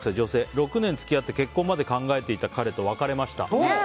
６年付き合って結婚まで考えていた彼と別れました。